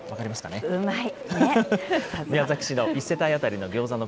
うまい！